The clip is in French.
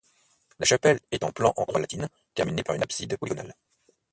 La chapelle est en plan en croix latine, terminé par une abside polygonale.